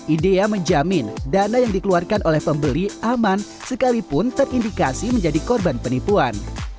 idea menjamin dana yang dikeluarkan oleh pembeli aman sekalipun terindikasi menjadi korban penipuan